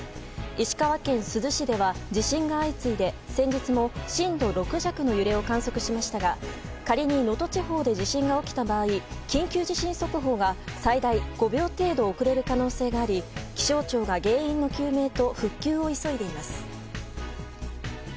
石川県珠洲市では地震が相次いで先日も震度６弱の揺れを観測しましたが仮に能登地方で地震が起きた場合緊急地震速報が最大５秒程度遅れる可能性があり気象庁が原因の究明と復旧を急いでいます。